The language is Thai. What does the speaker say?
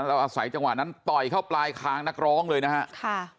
อาศัยจังหวะนั้นต่อยเข้าปลายคางนักร้องเลยนะฮะค่ะ